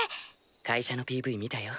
会社のＰＶ見たよ。